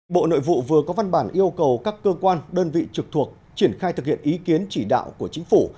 bộ nội vụ vừa có văn bản yêu cầu các cơ quan đơn vị trực thuộc triển khai thực hiện ý kiến chỉ đạo của chính phủ